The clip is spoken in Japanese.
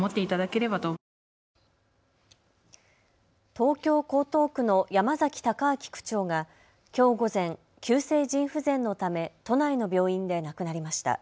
東京江東区の山崎孝明区長がきょう午前、急性腎不全のため都内の病院で亡くなりました。